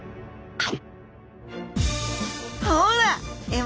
はい。